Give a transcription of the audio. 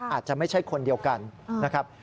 อาจจะไม่ใช่คนเดียวกันนะครับ